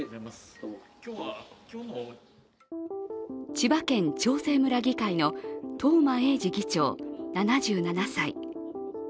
千葉県長生村議会の東間永次議長７７歳。